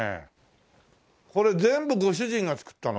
これ全部ご主人が作ったの？